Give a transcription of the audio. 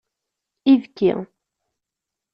Ibki.